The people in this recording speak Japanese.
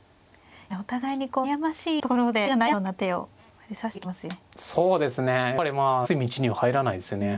いやお互いにこう悩ましいところで相手が悩むような手を指してきますよね。